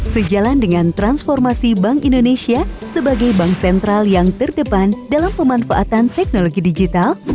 sejalan dengan transformasi bank indonesia sebagai bank sentral yang terdepan dalam pemanfaatan teknologi digital